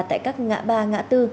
tại các ngã ba ngã tư